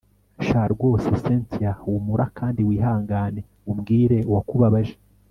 sha rwose cyntia! humura kandi wihangane umbwire uwakubabaje